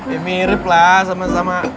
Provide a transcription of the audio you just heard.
ya mirip lah sama sama